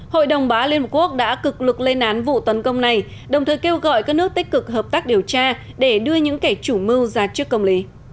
hội đồng bá liên quốc đã cực lực lây nán vụ tấn công này đồng thời kêu gọi các nước tích cực hợp tác điều tra để đưa những kẻ chủ mưu ra trước công lý